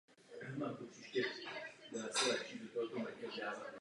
Později napsal řadu povídek i románů.